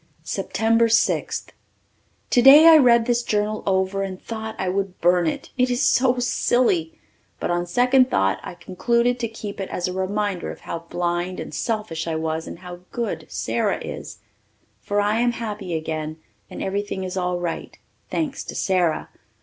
September Sixth. Today I read this journal over and thought I would burn it, it is so silly. But on second thought I concluded to keep it as a reminder of how blind and selfish I was and how good Sara is. For I am happy again and everything is all right, thanks to Sara.